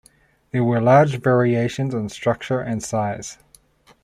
There were large variations in structure and size.